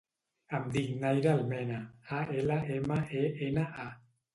Em dic Naira Almena: a, ela, ema, e, ena, a.